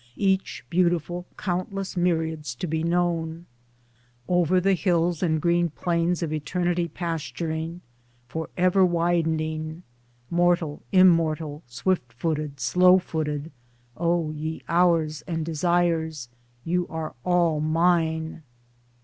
Each beautiful, countless myriads to be known, Over the hills and green plains of Eternity pasturing, for ever widening — mortal, immortal, swift footed, slow footed — O ye Hours and Desires, you are all mine